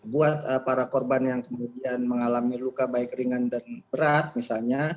buat para korban yang kemudian mengalami luka baik ringan dan berat misalnya